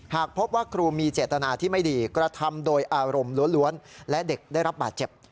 หากพบว่าครูมีเจตนาที่ไม่ดีกระทำโดยอารมณ์ล้วนและเด็กได้รับบาดเจ็บ